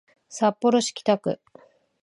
札幌市北区